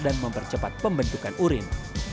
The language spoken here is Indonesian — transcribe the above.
dan mempercepat pembentukan urin